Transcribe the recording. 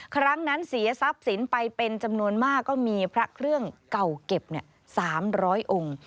ครั้งนั้นเสียทรัพย์สินไปเป็นจำนวนมากก็มีพระเครื่องเก่าเก็บ๓๐๐องค์